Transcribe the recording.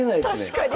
確かに。